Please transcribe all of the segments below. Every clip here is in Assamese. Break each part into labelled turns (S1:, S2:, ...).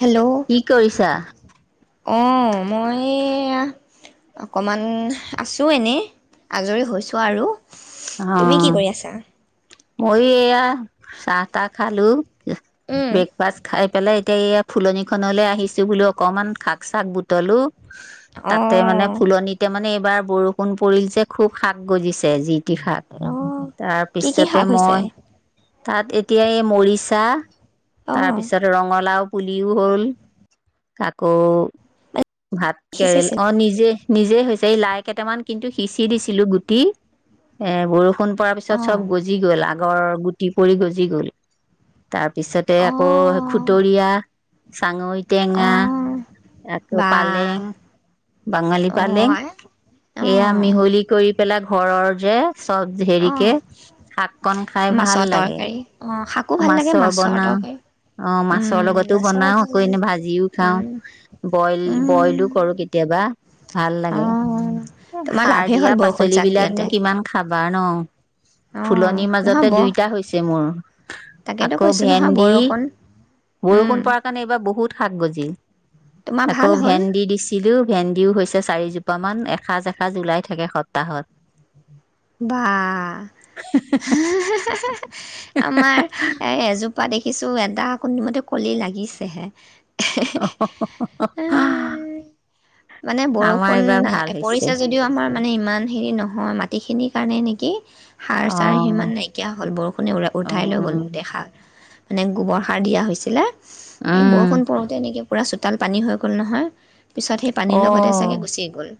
S1: হেল্ল'
S2: কি কৰিছা
S1: অঁ মই অকণমান আছোঁ এনেই আজৰি হৈছোঁ আৰু তুমি কি
S2: অ',
S1: কৰি আছা
S2: ময়ো এয়া চাহ তাহ খালো
S1: উম
S2: ব্ৰেকফাষ্ট খাই পেলাই এয়া ফুলনিখনলৈ আহিছো বোলো অকনমান শাক চাক বুটলো তাতে মানে
S1: অঁ
S2: ফুলনিতে মানে এইবাৰ বৰষুণ পৰিল যে খুব শাক গজিছে তি শাক
S1: অঁ কি কি
S2: তাৰপিছতে
S1: শাক হৈছে
S2: মই তাত এতিয়া এই মৰিচা তাৰ
S1: অঁ
S2: পিছতে ৰঙলাও পুলিও হ'ল আকৌ
S1: মানে
S2: ভাত কেৰেল
S1: সিঁচিছিল
S2: অ নিজে নিজে হৈছে এই লাই কেইটামান কিন্তু সিঁচি দিছিলো গুটি এ বৰষুণ পৰা পিছত
S1: অঁ
S2: চব গজি গ'ল আ গৰৰ গুটি পৰি গজি গ'ল তাৰ পিছতে আকৌ
S1: অঁ
S2: খুতৰীয়া টাঙৈ টেঙা
S1: অঁ
S2: আক
S1: বা
S2: পালেং বাঙালী
S1: অঁ
S2: পালেং এইয়া
S1: অঁ
S2: মিহলি কৰি পেলাই ঘৰৰ যে চব
S1: অঁ
S2: হেৰিকে শাক কন খাই ভাল
S1: মাছৰ
S2: লাগে
S1: তৰকাৰী অঁ শাকো ভাল লাগে
S2: মাছৰ বনাও
S1: তৰকাৰী
S2: অ মাছৰ
S1: উম
S2: লগতো
S1: মাছৰো
S2: বনাও
S1: ভাল
S2: আকৌ
S1: লাগে
S2: এনে ভাজিও খাও
S1: উম
S2: বইল
S1: উম
S2: বইলো কৰো কেতিয়াবা ভাল লাগে
S1: অঁ তোমাৰ
S2: সাৰ
S1: লাভেই
S2: দিয়া
S1: হ'ল বৰষুণ
S2: পাচলি
S1: জাক
S2: বিলাকনো
S1: দিয়াতে
S2: কিমান খাবা কান
S1: অ',
S2: ফুলনিৰ
S1: নহয়
S2: মাজতে
S1: ব
S2: দুইটা হৈছে মোৰ
S1: তাকেতো
S2: আকৌ
S1: কৈছো নহয়
S2: ভেন্দি
S1: বৰষুণ উম,
S2: বৰষুণ পাৰা কাৰণে এইবাৰ বহুত শাক গজিল
S1: তোমাৰ
S2: আকৌ
S1: ভাল হ'ল?
S2: ভেন্দি দিছিলো ভেন্দি দিও হৈছে চাৰিজোপামান এসাজ এসাজ উলাই থাকে সপ্তাহত
S1: বা হে হে হে আমাৰ এযো পা দেখিছোঁ এদা কোনোমতে কলি লাগিছেহে এহে হে এ মানে
S2: আমাৰ
S1: বৰষুণ
S2: এইবাৰ ভাল
S1: আ
S2: হৈছে
S1: পৰিছে যদিও আমাৰ মানে ইমান হেৰি নহয় ম টি খিনিৰ কাৰণে নেকি সাৰ
S2: অ
S1: চাৰ সিমান নাইকিয়া হ'ল বৰষুণে
S2: অ
S1: উঠাই লৈ গ'ল গোটেই সাৰ মানে গোবৰ সাৰ দিয়া হৈছিলে এই
S2: উম
S1: বৰষুণ পৰওঁতে এনেকে পূৰা চোতাল পানী হৈ গ'ল নহয় পিছত সেই
S2: অ
S1: পানীৰ লগতে চাগে গুচি গ'ল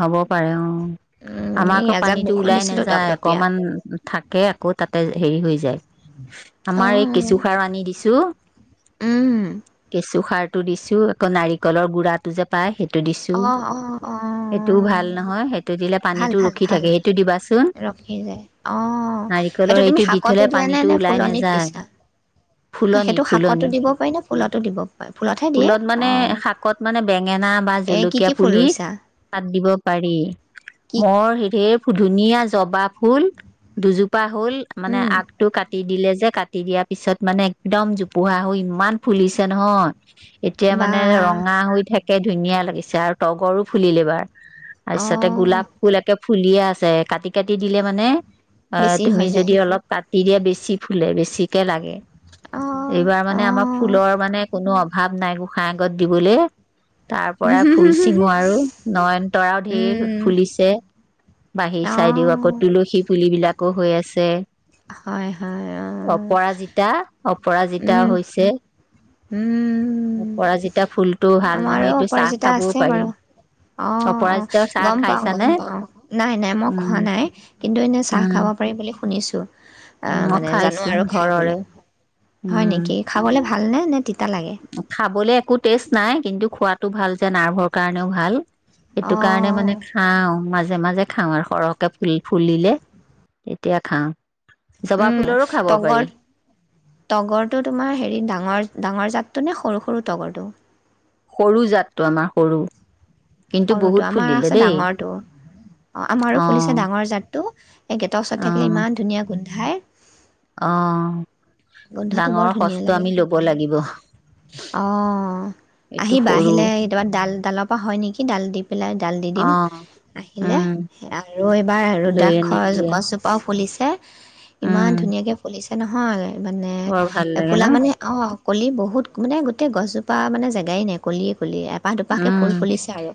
S2: হ'ব পাৰে অ
S1: উম,
S2: আমাৰ
S1: এই
S2: আকৌ
S1: এজাক
S2: পানীটো
S1: বৰষুণ
S2: ওলাই
S1: দিছিলো
S2: নাযায়
S1: দপদপীয়া।
S2: অকণমান থাকে আকৌ তাতে হেৰি হৈ যায় আমাৰ এই
S1: অ',
S2: কেঁচুসাৰ আনি দিছো
S1: উম,
S2: কেঁচুসাৰ টো দিছো আকৌ নাৰিকলৰ গুডৰা টো যে পাই সেইটো দিছো
S1: অ অ অ
S2: সেইটোও ভাল নহয় সেইটো দিলে
S1: ভাল,
S2: পানীটো
S1: ভাল,
S2: ৰখি
S1: ভাল
S2: থাকে সেইটো দিবাচোন
S1: ৰখি যায় অ',
S2: নাৰিকলৰ
S1: তুমি
S2: সেইটো দি
S1: শাকতো
S2: থলে
S1: দিয়া নে,
S2: পানীটো
S1: নে
S2: ওলাই
S1: ফুলনিত
S2: নাযায়
S1: দিছা?
S2: ফুলনিত
S1: সেইটো শাকতো
S2: ফুলনিত
S1: দিব পাৰি ন ফুলতো দিব পাৰি ফুলতহে দিয়ে
S2: ফুলত মানে
S1: অ
S2: শাকত মানে
S1: এ কি কি ফুল ৰুইছা
S2: বাত দিব পাৰি
S1: কি
S2: মই সেইেৰ শুধু ধুনীয়া জবা ফুল দু পা হ'ল মানে
S1: উম,
S2: আগটো কাটি দিলে যে কাটি দিয়াৰ পিছত মানে একদম জোপোহা হৈ ইমান ফুলিছে নহয় এতিয়া
S1: বা
S2: মানে ৰঙা হৈ থাকে ধুনীয়া লাগিছে আৰু তগৰো ফুলিল এইবাৰ তাৰপিছতে
S1: অ',
S2: গোলাপ ফুল একে ফুলিয়ে আছে কাটি কাটি দিলে মানে অ
S1: বেছি
S2: তুমি
S1: হৈ যায়
S2: যদি অলপ ক তেতিয়া বেছি ফুলে বেছিকে লাগে
S1: অ',
S2: এইবাৰ মানে আমাৰ
S1: অ',
S2: ফুলৰ মানে কোনো অ ভাৱ নাই গোঁসাঁ আগত দিবলৈ তাৰ পৰা ফুল চিঙো আৰু নয়নতৰাও ধেৰ
S1: উম,
S2: ফুলিছে বাহিৰ চাই দিও আকৌ
S1: অ',
S2: তুলসী পুলিবলাকো হৈ আছে
S1: হয়, হয়, অ',
S2: অপৰাজিতা অপৰাজিতা
S1: উম,
S2: হৈছে
S1: উম,
S2: পৰাজিতা ফুল টো ভাল নহয় এইটো চাহ খাবও পাৰি
S1: অঁ অঁ
S2: অপৰাজিতাৰ চাহ
S1: গম পাওঁ
S2: খাইছানে
S1: গম পাওঁ নাই নাই মই
S2: উম
S1: খোৱা নাই কিন্তু এনেই চাহ
S2: উম
S1: খাব পাৰি বুলি শুনিছোঁ অ
S2: মই
S1: মানে জানো
S2: খাইছো
S1: আৰু খাই বুলি
S2: ঘৰৰে
S1: হয়
S2: উম
S1: নেকি খাবলে ভ ভালনে নে নে তি
S2: খাবলে একো টেষ্ট নাই কিন্তু খোৱাতো ভাল যে নাৰ্ভৰ কাৰণেও ভাল সেইটো কাৰণে
S1: অ',
S2: মানে খাও মাজে মাজে খাওঁ আৰু সৰহকে ফুল ফুলিলে তেতিয়া খাওঁ জবা
S1: উম
S2: ফুলৰো খাব পাৰি
S1: তগৰ তগৰটো তোমাৰ হেৰি ডাঙৰ ডাঙৰ জাত তুনে সৰু সৰু তগৰ টো
S2: সৰু জাতটো আমাৰ সৰু কিন্তু
S1: সৰুটো
S2: বহুত
S1: আমাৰ
S2: ফুলিলে
S1: আছে
S2: দেই
S1: ডাঙৰটোও অ আমাৰো
S2: অ
S1: ফুলিছে ডাঙৰ জাত। তো এই গেট ওচৰত থাকিলে ইমান ধুনীয়া গোন্ধ গুন্ধায়
S2: অঁঃ
S1: গোন্ধটো বৰ ধুনীয়া লাগে
S2: লাগিব
S1: অঁঃ
S2: এইটো
S1: আহিবা
S2: সৰু
S1: আহিলে কেতিয়াবা ডাল ডালৰ পৰা হয় নেকি ডাল দি পেলাই ডাল দি
S2: অ
S1: দিম আহিলে
S2: উম
S1: আৰু এইবাৰ
S2: লৈ আনিম
S1: ৰুদ্ৰাশৰ
S2: দিয়া
S1: গছজোপাও ফুলিছে। ইমান
S2: উম
S1: ধুনীয়াকে ফুলিছে। এ নহ'য়। মানে
S2: বৰ ভাল লাগে ন
S1: ফুলা মানে অঁঁ কলি বহুত মানে গোটেই গছজোপা মানে জেগাই নাই কলিয়ে। ফুলি এপাহ দুপাহকে
S2: উম
S1: ফুল ফুলিছে আৰু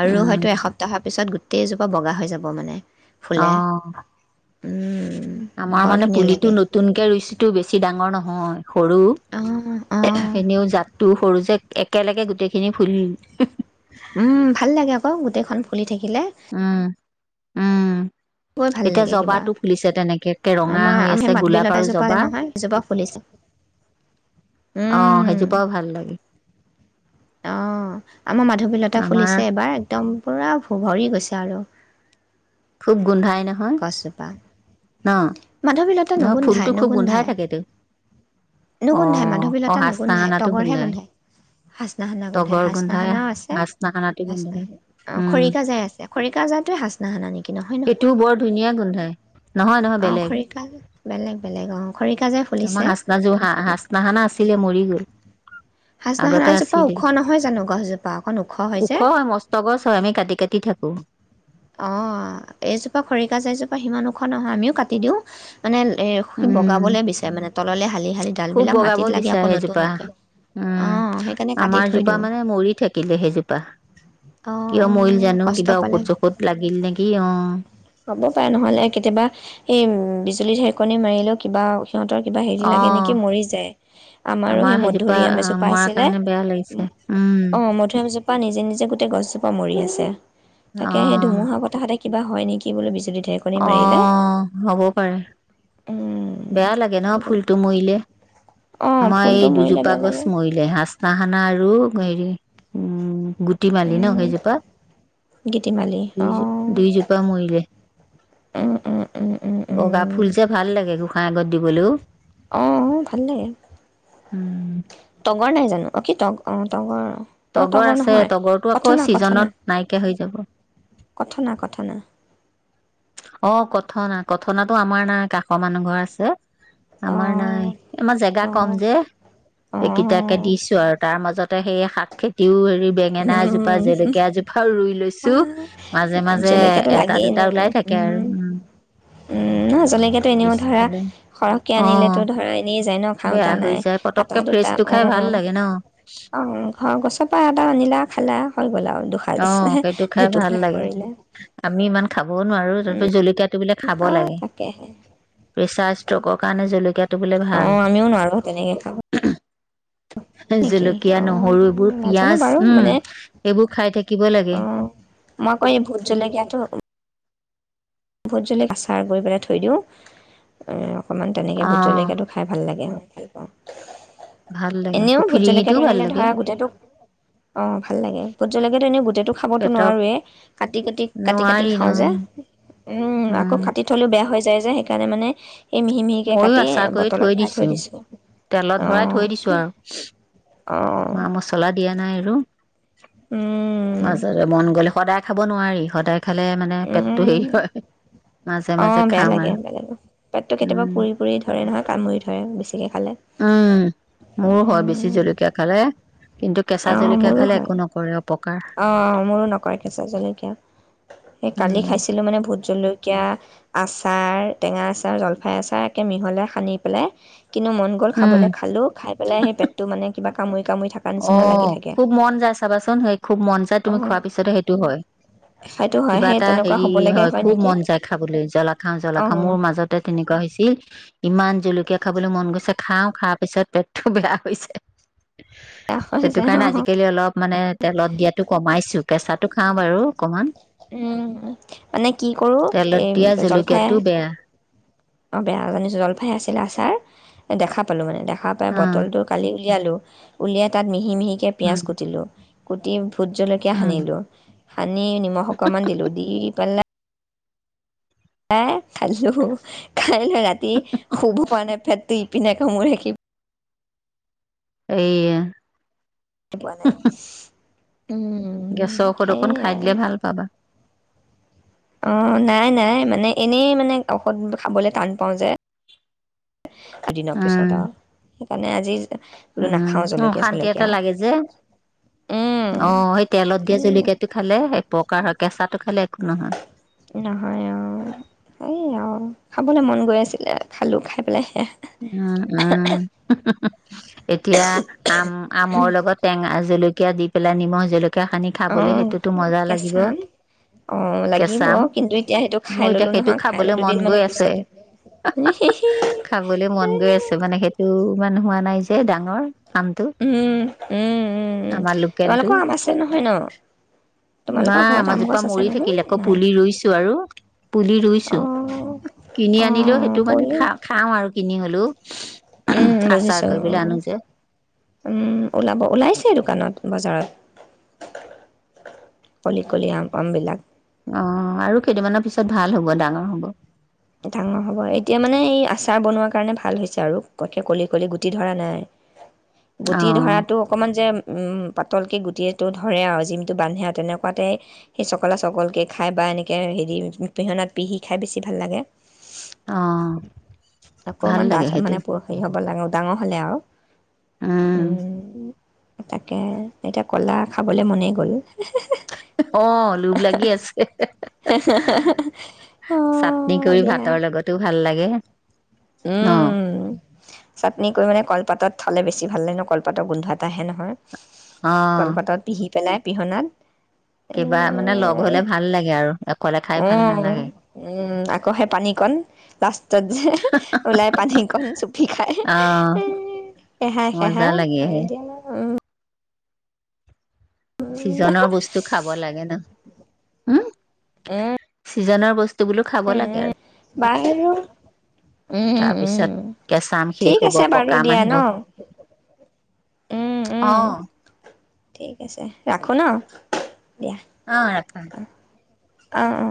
S1: আৰু
S2: উম
S1: হয়তো এসপ্তাহৰ পিছত গোতেই গোতেই জোপা বগা হৈ যাব মানে
S2: অ
S1: ফুলে উম,
S2: আমাৰ
S1: বৰ
S2: মানে
S1: ধুনীয়া
S2: পুলিটো
S1: লাগে
S2: নতুনকে ৰুইছোঁ টো বেছি ডাঙৰ নহয়
S1: অঁ
S2: সৰু
S1: অঁ
S2: এনেও জাতটো সৰু যে। একেলগে গোটেই খিনি ফুলিল।
S1: উম ভাল লাগে আকৌ গোটেইখন ফুলি থাকিলে। থাকিলে
S2: উম উম। এতিয়া
S1: কিবা
S2: জবাটো ফুলিছে তেনেকে একে ৰঙা
S1: আমাৰ
S2: হৈ
S1: আমি
S2: আছে
S1: মাধুৰী
S2: গোলাপ আৰু
S1: লতাজোপা
S2: জবা
S1: নহয় সেইজোপা ফুলিছে
S2: অঁঃ সেইজোপাও ভাল লাগে।
S1: অ আমাৰ মাধৱিলতা
S2: আমাৰ
S1: ফুলিছে এবাৰ একদম পূৰা ভ ভৰি গৈছে আৰু
S2: খুব গোন্ধাই নহয়
S1: গছজোপা
S2: ন
S1: মাধৱীলতা
S2: নহয়
S1: নুগোন্ধাই
S2: ফুলটো খুব গোন্ধাই
S1: নুগোন্ধাই
S2: থাকেতো অ
S1: নুগোন্ধাই
S2: অ
S1: মাধৱীলতা নুগোন্ধাই
S2: হাচনাহানাটো
S1: তগৰহে গোন্ধাই হাজনাসানা গোন্ধাই হাজনা সানাও আছে
S2: হাচনাহানাটো গোন্ধাই উম
S1: খৰিকা যাই আছে খৰিকাযাই টোয়েই হাজনা খানা নেকি
S2: সেইটোও বৰ ধুনীয়া। গোন্ধাই নহয় নহয়
S1: অ
S2: বেলেগ
S1: খৰিকাল বেলেগ বেলেগ আহ।
S2: আমাৰ হাজনাযোৰ হাজনা সানা আছিলে মৰি গল আগতে
S1: হাচনাহানাজোপা
S2: আছিলে
S1: ওখ নহয় জানো গছজোপা অকণ যে
S2: ওখ হয় মস্ত গছ হয় আমি কাটি কাটি থাকো
S1: অ এইজোপা খৰিকাজা এজোপা সিমান ওখ নহয় আমিও কাটি দিওঁ মানে এ সি
S2: উম
S1: বগাবলৈ বিচাৰে মানে তললে হালি শালি ডাল
S2: খুব
S1: বিলাক
S2: বগাব
S1: মাটিত লাগি
S2: বিচাৰে
S1: আকৌ নতুন
S2: সেইজোপা
S1: উঠে,
S2: উম
S1: অঁ সেইকাৰণে কাটি
S2: আমাৰ
S1: থৈ
S2: জোপা
S1: দিওঁ,
S2: মানে মৰি থাকিলে সেইজোপা
S1: অঁ
S2: কিয় মৰিল জানো
S1: কষ্ট
S2: কিবা
S1: পালে।
S2: ঔষধ চৌষধ লাগিল নেকি অ
S1: হ'ব পাৰে নহ'লে কেতিয়াবা এই উম বিজুলী ঢেৰেকণী মাৰিলেও কিবা সিহতৰ কিবা হেৰি
S2: অ
S1: লাগে নেকি মৰি যায়, আমাৰো
S2: আমাৰ
S1: সেই
S2: সেইজোপা
S1: মধুৰি আম
S2: আহ
S1: এজোপা
S2: মৰাৰ
S1: আছিলে
S2: কাৰণে বেয়া লাগিছে উম
S1: অঁ মধুুৰিআমজোপা নিজে- নিজে গোটেই গছজো পোৱা মৰি আছে।
S2: অ
S1: তাকেহে এই ধুমূহা বতাহতে কিবা হয় নেকি বোলে বিজুলী ঢেৰেকণি মাৰিলে
S2: অঁ, হ'ব পাৰে। বেয়া লাগে ন
S1: উম,
S2: ফুলটো মৰিলে,
S1: অ',
S2: আমাৰ এই
S1: ফুলটো মৰিলে
S2: দুজোপা
S1: বেয়া
S2: গছ
S1: লাগে,
S2: মৰিলে হাজনা হানা আৰু হেৰি, উম গুটি মালি ন
S1: উম
S2: সেইজোপা
S1: গীতিমালি
S2: দুইজো
S1: অ',
S2: দুইজোপা মৰিলে,
S1: উম, উম, উম, উম,
S2: বগা
S1: উম,
S2: ফুল যে ভাল লাগে [unintelligible] আগত দিবলৈও।
S1: অঁ ভাল লাগে,
S2: উম
S1: তগৰ নাই জানো অ কি তগ অঁ তগৰ অ',
S2: তগৰ আছে
S1: নহয়
S2: তগৰটো আকৌ
S1: কথনা, কথনা,
S2: ছিজনত নাইকিয়া হৈ যাব।
S1: কথনা, কথনা
S2: অঁ কথনা, কথনাতো আমাৰ নাই কাষৰ মানুহ ঘৰৰ আছে। আমাৰ নাই,
S1: অ',
S2: আমাৰ জেগা কম
S1: অ',
S2: যে এইকেইটাকে
S1: অ',
S2: দিছো আৰু তাৰ মাজত। ত সেই শাক খেতিও হেৰি বেঙেনা এজোপা
S1: উম,
S2: জলকীয়া এ জোপাও ৰুই লৈছো, মাজে-মাজে
S1: জলকীয়াটো
S2: এটা
S1: লাগেই ন
S2: দুটা ওলাই থাকে।
S1: উম,
S2: আৰু উম
S1: উম নহয় জলকীয়াটো ইনেও ধৰা
S2: পিছফালে
S1: সৰহকৈ
S2: অ
S1: আনিলেতো ধৰা এনে
S2: বেয়া
S1: খাওতা
S2: হৈ
S1: নাই,
S2: যায়
S1: এটা
S2: পতককে
S1: দুটা
S2: ফ্ৰেচটো
S1: অ,
S2: খাই ভাল লাগে ন
S1: অ ঘৰৰ গছৰ পৰা নিলা খালা হৈ গ'ল আৰু। দুসাঁজ
S2: অঁ, সেইটো খাই ভাল
S1: দুটুকুৰা
S2: লাগে,
S1: কৰিলে
S2: আমি ইমান খাই খাবও নোৱাৰোঁ,
S1: উম,
S2: [unintelligible] জলকীয়াত [unintelligible] খাব
S1: অ',
S2: লাগে,
S1: তাকেহে
S2: প্ৰেচাৰ ষ্ট্ৰ'কৰ কাৰনে জলকীয়া
S1: অঁ আমিও নোৱাৰো তেনেকে খাব। নেকি
S2: জলকীয়া
S1: অ',
S2: নহৰু এইবোৰ পিয়াজ উম এইবোৰ থাকিব লাগে
S1: অঁ মই আকৌ এই ভূতজলেকীয়াতো ভূতজলকীয়াৰ আচাৰ কৰি পেলাই থৈ দিওঁ অকমান তেনেকে
S2: অ
S1: ভোট জলকীয়াটো খাই ভাল লাগে, ভাল পাওঁ,
S2: ভাল লাগে
S1: এনেও
S2: আকৌ
S1: ভোট
S2: ফিৰিঙিটোও
S1: জলকীয়াটো
S2: ভাল
S1: আনিলে ধৰা
S2: লাগে
S1: গোটটোক, অঁ ভাল লাগে ভোত জলকীয়াটো আনি গোটেইটো খাবতো
S2: পেটক
S1: নোৱাৰোয়েই কাটি কাটি, কাটি-কাটি
S2: নোৱাৰি ন
S1: খাওঁ যে। উম আকৌ কাটি থলো বেয়া হৈ হৈছে বুজাই যায় সেইকাৰণে মানে এই মিহি মিহিকৈ
S2: ময়ো
S1: কাটি
S2: আচা কৰি
S1: বটলত
S2: থৈ
S1: ভৰাই
S2: দিছো
S1: দিছোঁ
S2: তেলত ভৰাই
S1: অঁ
S2: থৈ দিছো আৰু
S1: অঁ
S2: মা মচলা দিয়া নাই আৰু
S1: উম,
S2: তাৰছতে মন গ'লে সদায় খাব নোৱাৰি সদায় খালে মানে পেটটো
S1: উম
S2: হেৰি হয় মাজে
S1: অ
S2: মাজে
S1: বেয়া
S2: খাম
S1: লাগে
S2: আৰু
S1: সেে পেটটো কেতিয়াবা
S2: উম
S1: পুৰি পুৰি ধৰে নহয় কামুৰি ধৰে বেছিকে খালে
S2: উম মোৰো হয় বেছি
S1: উম,
S2: জলকীয়া খালে কিন্তু কেঁচা জলকীয়া খালে একো নকৰে অপকাৰ
S1: অ মোৰো নকৰে কেৈছো জলকীয়া স কালি
S2: উম
S1: খাইছিলো মানে ভোত জলকীয়া আছে আচাৰ টেঙা আচাৰ জলফাই আচাৰ একে মিহলাই সানি পেলাই কিন্তু মন গ'ল
S2: উম
S1: খাবলৈ খালোঁ খাই পেলাই সেই পেটটো মানে কিবা কাম হয়
S2: অ খুব মন যায় চাবাচোন সেই খুব খুব মন যায়
S1: অ
S2: তুমি খোৱাৰ পিছতে সেইটো হয়
S1: সেইটো হয়
S2: কিবা
S1: সেই
S2: এটা
S1: তেনেকুৱা
S2: হেৰি
S1: হ'ব লাগে
S2: হয় খুব
S1: নেকি
S2: মন যায় খাবলৈ জলা খাও জ্বলা
S1: অ
S2: খাও মোৰ মাজতে তেনেকুৱা হৈছিল ইমান জলকীয়া খাবলৈ মন গৈছে খাও খাৰ পিছত পেটটো বেয়া হৈছে
S1: বেয়া হৈ
S2: সেইটো
S1: যায় অ
S2: কাৰণে আজিকালি অলপ মানে তেলত দিয়াতো কমাইছো কেঁচাো খাও বাৰু অকমান
S1: উম মানে কি কৰো
S2: তেলত দিয়া
S1: এই
S2: জলকীয়াটো
S1: জলফাই
S2: বেয়া
S1: অ বেয়া জানিছো জলফাই আছিল আচাৰ দেখা পালো মানে দেখ দো পায়
S2: অ
S1: বটলটো কালি উলিয়ালো উলিয়াই তাত মিি মি মিহিকে
S2: উম
S1: পিয়াজ কুটিলো কুটি ভোট জলকীয়া
S2: উম
S1: সানিলোঁ সানি নিমখ অকমান দিলোঁ দি পেলা আ খালোঁ খাই ল ৰাতি শুব পৰা নাই ফেটটো ইপিনে কৈ মই ৰাখিব
S2: এইে
S1: সপ ন [unintelligible]
S2: গেছৰ ঔষধ অকণ খাই দিলে ভাল পাবা
S1: অ নাই নাই মানে এনেই মানে ঔষধ খাবলৈ টান পাওঁ যে যদিনা পইছা
S2: উম
S1: দা মানে আজি বোলো
S2: উম
S1: নাখাওঁ
S2: অ
S1: জলকীয়া
S2: শান্তি এটা
S1: চলকীয়া
S2: লাগে যে
S1: উম
S2: অ সেই তেলত দিয়ে
S1: সেই
S2: জলকীয়াটো খালে অপকাৰ হয় কেঁচাটো খালে একো নহয়
S1: নহয় অ সেই আও খাবলৈ মন গৈ আছিলে খালো খাই পেলাই শেষ
S2: উম উম হুমহু হুম এতিয়া আম আমৰ লগত টেঙা জলকীয়া জলকীয়া দি পেলাই নিমখ জলকীয়া সানি
S1: অ
S2: খাবলৈ সেইটোতো মজা লাগিব
S1: কেঁচা আম অ লাগিব
S2: কেঁচা আম
S1: কিন্তু এতিয়া সেইটো
S2: মোৰ
S1: খাই
S2: এতিয়া
S1: ললো
S2: সেইটো
S1: নহয় খাই
S2: খাবলৈ মন
S1: দুদিন
S2: গৈ
S1: মানৰ
S2: আছে
S1: পিছতে হিহি
S2: খাবলৈ মন গৈ আছে মানে সেইটো ইমান হোৱা নাই যে এ ডাঙৰ নামটো
S1: উম উম
S2: আমাৰ লোকেলটো
S1: তোমালোকৰ আম আছে নহয় ন
S2: না
S1: তোমালোকৰ ঘৰত আম
S2: আমজোপা
S1: গছ আছে
S2: মৰি
S1: নহয়
S2: থাকিল আকৌ
S1: নাই
S2: পুলি ৰুইছো আৰু পুলি ৰুইছো
S1: অঁ
S2: কিনি আনিলেও সেইটো
S1: অঁ
S2: মানে
S1: পৰিল
S2: খাম কিনি হলো
S1: উম বুজিছো
S2: যে
S1: উম ওলাব ওলাইছে দোকানত বজাৰত কলি কলি আম পাম আমবিলাক
S2: অ আৰু কেইদিনমানৰ পিছত ভাল হ'ব ডাঙৰ হ'ব
S1: ডাঙৰ হব এতিয়া মানে এই আচাৰ বনোৱা কাৰণে ভাল হৈছে আৰু কতকে কলি কলি গুটি ধৰা নাই
S2: অ
S1: গুটি ধৰাটো অকমান যে উম পাতলকে গুটিটো ধৰে আৰু জিমটো বান্ধে আৰু তেনেকোৱাতে সেই চকলা চকলকে খাই বা এনেকৈ হেৰি পিহনাত পিহি খাই বেছি ভাল লাগে
S2: অ ভাল
S1: অকমান
S2: লাগে
S1: ডাঠ
S2: সেইটো
S1: মানে পৰহি হ'ব লাগে ডাঙৰ হ'লে আৰু
S2: উম
S1: তাকে এতিয়া কলা খাবলে মনেই গ'ল
S2: অ লোভ লাগি আছে
S1: হে হে হে হে অ
S2: চাটনি
S1: হয়
S2: কৰি
S1: দিয়া
S2: ভাতৰ লগতো ভাল লাগে ন
S1: উম চাটনি কৰি মানে কলপাতত খালে বেছি ভাল লাগে ন কলপাতৰ গোন্ধ এটা আহে নহয়
S2: অ
S1: কলপাতত পিহি পেলাই পিহনাত এ
S2: কিবা মানে লগ হলে ভাল লাগে আৰু অকলে খাই ভাল
S1: উম
S2: নালাগে
S1: উম আকৌ সেই পানী কণ লাষ্টত যে ওলাই পানীকন চুপি খাই
S2: অ
S1: এ এহাই
S2: মজা
S1: খেহাই এ
S2: লাগে হে
S1: হয় দিয়া উম
S2: চিজনৰ বস্তু খাব লাগে ন উম
S1: উম
S2: সিজনৰ বস্তু। বোলো খাব লাগে। আৰু
S1: বাৰু উম উম
S2: তাৰপিছত কেঁচাম শেষ
S1: ঠিক
S2: হব
S1: আছে বাৰু
S2: পকাম
S1: দিয়া ন
S2: আহিব
S1: উম উম
S2: অহ।
S1: ঠিক আছে ৰাখো ন দিয়া।
S2: অ ৰাখা।
S1: অহ অ।